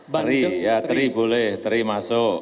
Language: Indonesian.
teri ya teri boleh teri masuk